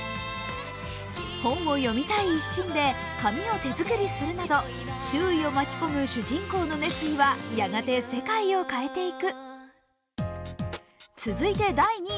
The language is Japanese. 本を読みたい一心で紙を手作りするなど、周囲を巻き込む主人公の熱意はやがて世界を変えていく。